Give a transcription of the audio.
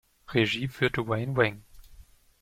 Regie führte Wayne Wang.